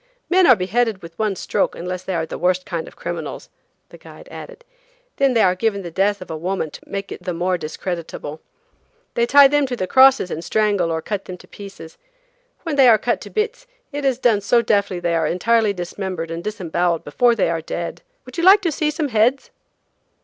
"Men are beheaded with one stroke unless they are the worst kind of criminals," the guide added, "then they are given the death of a woman to make it the more discreditable. They tie them to the crosses and strangle or cut them to pieces. When they are cut to bits, it is done so deftly that they are entirely dismembered and disemboweled before they are dead. Would you like to see some heads?"